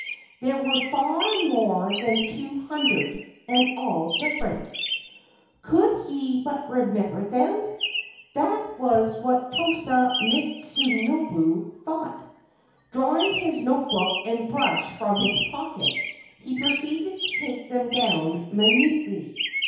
There were far more than two hundred, and all different. Could he but remember them ! That was what Tosa Mitsunobu thought. Drawing his notebook and brush from his pocket, he proceeded to take them down minutely.